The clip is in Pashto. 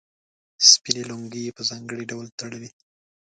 سپینې لونګۍ یې په ځانګړي ډول تړلې.